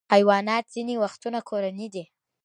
حیوانات ځینې وختونه کورني دي.